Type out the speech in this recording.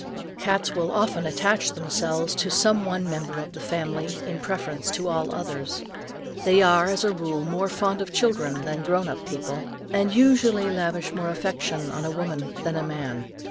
Cats will often attach themselves to some one member of a family in preference to all others. They are as a rule more fond of children than grown up people, and usually lavish more affection on a woman than a man.